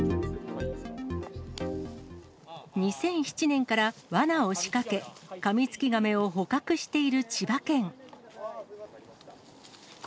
２００７年からわなを仕掛け、カミツキガメを捕獲している千葉県。